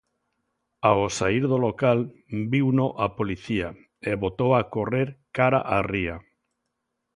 Ao saír do local, viuno a Policía e botou a correr cara á ría.